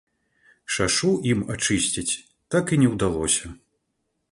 Шашу ім ачысціць так і не ўдалося.